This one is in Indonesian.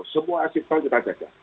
semua exit tol kita jadah